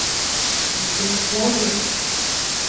Сзыхьӡазеи?